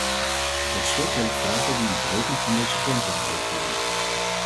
Tot slot wil ik vragen wie een verhoging van deze grenswaarden heeft verlangd.